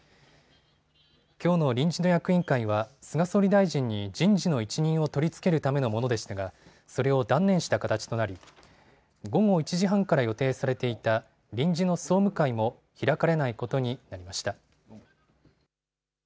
きょうの臨時の役員会は菅総理大臣に人事の一任を取り付けるためのものでしたがそれを断念した形となり午後１時半から予定されていた臨時の総務会も開かれないことになりました。